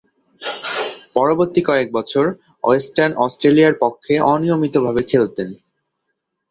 পরবর্তী কয়েকবছর ওয়েস্টার্ন অস্ট্রেলিয়ার পক্ষে অনিয়মিতভাবে খেলতেন।